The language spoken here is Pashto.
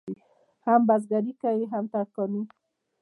هم بزګري کوي او هم ترکاڼي.